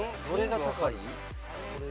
どれが高い？